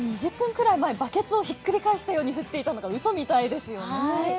２０分前、バケツをひっくり返すように降っていたのがうそみたいですよね。